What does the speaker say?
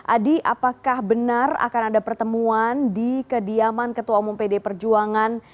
adi apakah benar akan ada pertemuan di kediaman ketua umum pd perjuangan